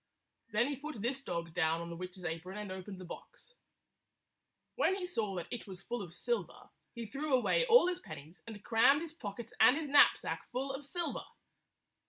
Then he put this dog down on the witch's apron and opened the box. When he saw that it was full of silver, he threw away all his pennies and crammed his pockets and his knapsack full of silver.